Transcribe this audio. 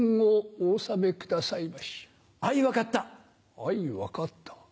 あい分かった？